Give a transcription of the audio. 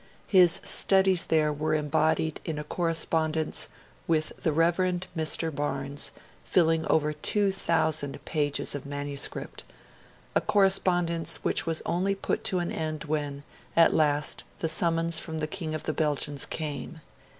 His studies there were embodied in a correspondence with the Rev. Mr. Barnes, filling over 2,000 pages of manuscript a correspondence which was only put an end to when, at last, the summons from the King of the Belgians came.